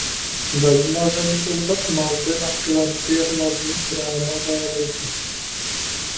Zajímavé jsou pak malby na klenbě hlavní chrámové lodi.